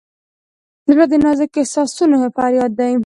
زړه د نازک احساسونو فریاد دی.